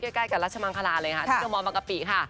ใกล้กับรัชมังคลาเลยค่ะที่เมืองบางกะปิค่ะ